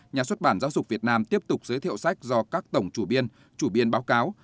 nhà xuất bản giáo dục việt nam tiếp tục giới thiệu sách do các tổng chủ biên chủ biên báo cáo